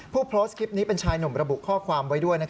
โพสต์คลิปนี้เป็นชายหนุ่มระบุข้อความไว้ด้วย